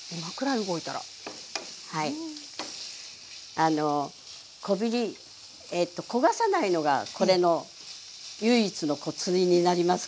あのこびり焦がさないのがこれの唯一のコツになりますかね。